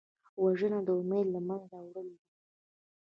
وژنه د امید له منځه وړل دي